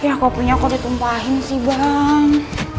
ya kopinya kok ditumpahin sih bang